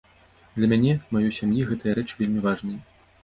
Для мяне, маёй сям'і гэтыя рэчы вельмі важныя.